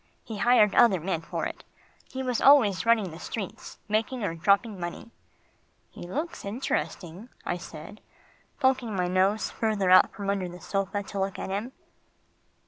He hired other men for it. He was always running the streets, making or dropping money." "He looks interesting," I said, poking my nose further out from under the sofa to look at him.